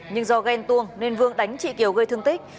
nhưng do ghen tuông nên vương đánh chị kiều gây thương tích